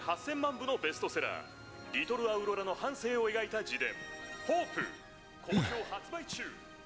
部のベストセラーリトルアウロラの半生を描いた自伝“ＨＯＰＥ”好評発売中！」